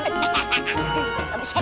baik baik kita mau baca lagi